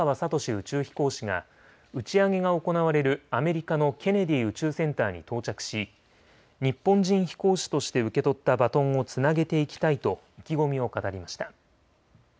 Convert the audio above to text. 宇宙飛行士が打ち上げが行われるアメリカのケネディ宇宙センターに到着し日本人飛行士として受け取ったバトンをつなげていきたいと意気込みを語りました。